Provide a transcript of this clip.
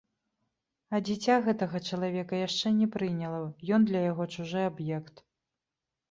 А дзіця гэтага чалавека яшчэ не прыняла, ён для яго чужы аб'ект.